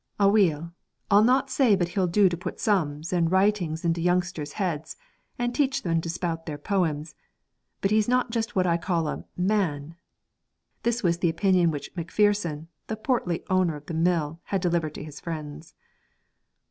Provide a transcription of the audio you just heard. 'Aweel, I'll not say but he'll do to put sums and writing into the youngsters' heads and teach them to spout their poems; but he's not just what I call a man.' This was the opinion which Macpherson, the portly owner of the mill, had delivered to his friends.